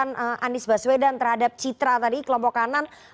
dekatkan anis baswedan terhadap citra tadi kelompok kanan